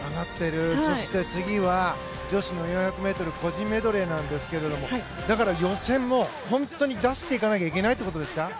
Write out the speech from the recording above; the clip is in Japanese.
そして、次は女子の４００ｍ個人メドレーなんですけれどもだから、予選も本当に出していかなきゃいけないってことですか？